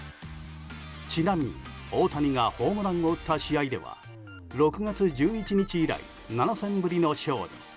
ちなみに大谷がホームランを打った試合では６月１１日以来７戦ぶりの勝利。